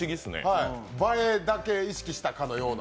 映えだけを意識したかのような。